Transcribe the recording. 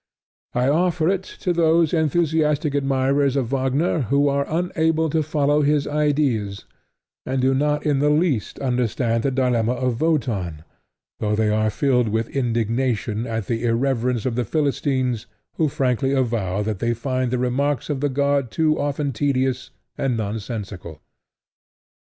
I offer it to those enthusiastic admirers of Wagner who are unable to follow his ideas, and do not in the least understand the dilemma of Wotan, though they are filled with indignation at the irreverence of the Philistines who frankly avow that they find the remarks of the god too often tedious and nonsensical.